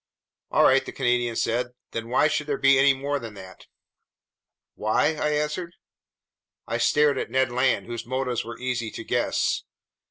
"All right," the Canadian said, "then why should there be any more than that?" "Why?" I answered. I stared at Ned Land, whose motives were easy to guess.